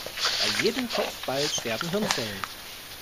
Bei jedem Kopfball sterben Hirnzellen.